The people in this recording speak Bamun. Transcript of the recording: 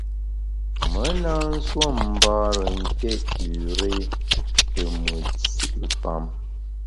Me na nsuo mbare nké üré te mùt nsù’pam.